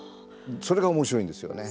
それがおもしろいんですよね。